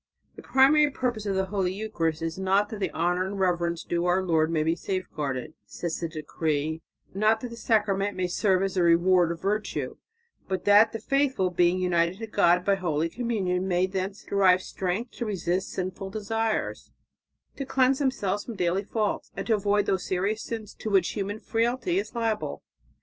"The primary purpose of the holy Eucharist is not that the honour and reverence due to our Lord may be safeguarded," says the decree, "not that the sacrament may serve as a reward of virtue, but that the faithful, being united to God by holy communion, may thence derive strength to resist sinful desires, to cleanse themselves from daily faults, and to avoid those serious sins to which human frailty is liable."